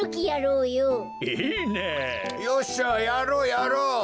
よっしゃやろうやろう！